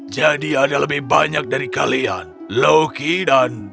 jadi ada lebih banyak dari kalian loki dan